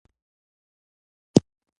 د دوبي لمر اوبه ژر سرې کوي.